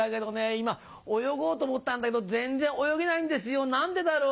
今泳ごうと思ったんだけど全然泳げないんですよ何でだろう？